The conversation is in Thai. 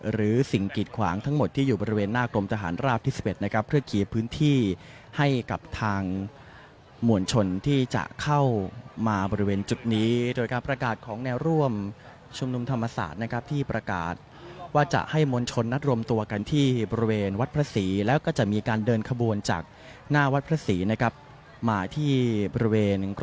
หรือสิ่งกิดขวางทั้งหมดที่อยู่บริเวณหน้ากรมทหารราบที่๑๑นะครับเพื่อขี่พื้นที่ให้กับทางมวลชนที่จะเข้ามาบริเวณจุดนี้โดยการประกาศของแนวร่วมชุมนุมธรรมศาสตร์นะครับที่ประกาศว่าจะให้มวลชนนัดรวมตัวกันที่บริเวณวัดพระศรีแล้วก็จะมีการเดินขบวนจากหน้าวัดพระศรีนะครับมาที่บริเวณ